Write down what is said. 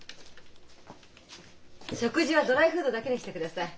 食事はドライフードだけにしてください。